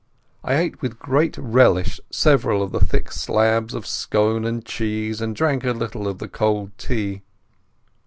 I ate with great relish several of the thick slabs of scone and cheese and drank a little of the cold tea.